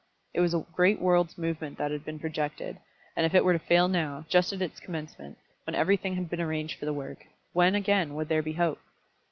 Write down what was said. It was a great world's movement that had been projected, and if it were to fail now, just at its commencement, when everything had been arranged for the work, when again would there be hope?